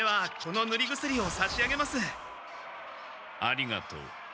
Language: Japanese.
ありがとう。